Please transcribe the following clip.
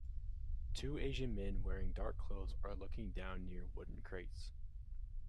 Two Asian men wearing dark clothes are looking down near wooden crates